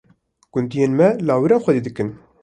Gundiyên me, lawiran xwedî dikin.